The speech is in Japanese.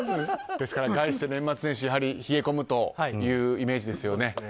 ですから、概して年末年始冷え込むというイメージですよね。